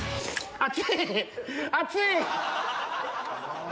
熱い！